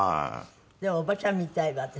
でもおばちゃん見たいわ私。